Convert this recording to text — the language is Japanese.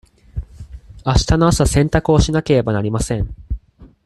あしたの朝洗濯をしなければなりません。